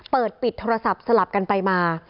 เปิดปิดโทรศัพท์สลับกันไปมา